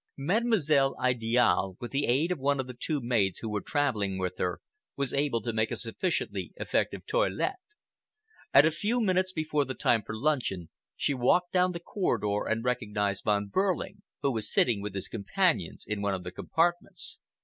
Mademoiselle Idiale, with the aid of one of the two maids who were traveling with her, was able to make a sufficiently effective toilette. At a few minutes before the time for luncheon, she walked down the corridor and recognized Von Behrling, who was sitting with his companions in one of the compartments.